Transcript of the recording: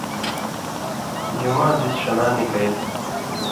جُماں دېس ݜلاں نِکَیلَ؛